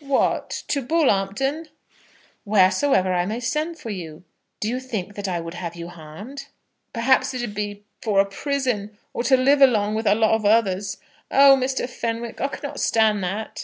"What to Bull'ompton?" "Wheresoever I may send for you? Do you think that I would have you harmed?" "Perhaps it'd be for a prison; or to live along with a lot of others. Oh, Mr. Fenwick, I could not stand that."